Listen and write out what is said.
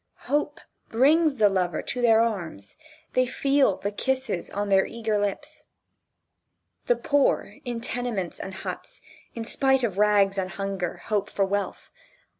Hope brings the lover to their arms. They feel the kisses on their eager lips. The poor in tenements and huts, in spite of rags and hunger hope for wealth.